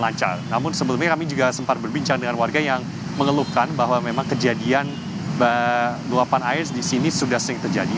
namun sebelumnya kami juga sempat berbincang dengan warga yang mengeluhkan bahwa memang kejadian luapan air di sini sudah sering terjadi